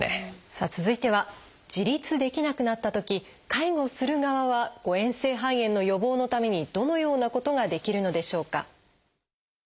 さあ続いては自立できなくなったとき介護する側は誤えん性肺炎の予防のためにどのようなことができるのでしょうか？